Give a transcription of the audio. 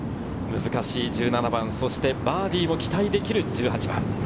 難しい１７番、そしてバーディーが期待できる１８番。